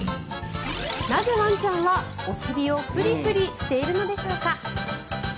なぜ、ワンちゃんはお尻をフリフリしているのでしょうか。